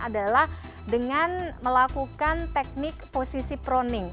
adalah dengan melakukan teknik posisi proning